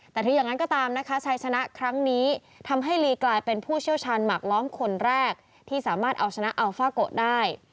แต่ถึงอย่างนั้นก็ตามนะคะชัยชนะครั้งนี้ทำให้ลีกลายเป็นผู้เชี่ยวชาญหมากล้อมคนแรกที่สามารถเอาชนะอัลฟาโกะได้